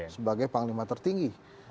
sebagai panglima tertinggi